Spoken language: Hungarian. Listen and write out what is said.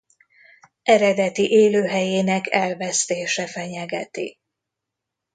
Eredeti élőhelyének elvesztése fenyegeti.